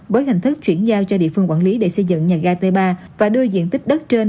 với hình thức chuyển giao cho địa phương quản lý để xây dựng nhà ga t ba và đưa diện tích đất trên